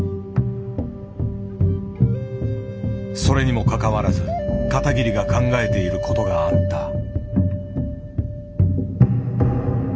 それにもかかわらず片桐が考えていることがあった。